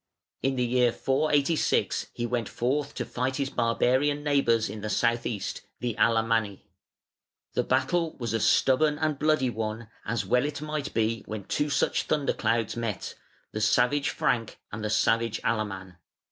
In the year 486 he went forth to fight his barbarian neighbours in the south east, the Alamanni, The battle was a stubborn and a bloody one, as well it might be when two such thunder clouds met, the savage Frank and the savage Alaman.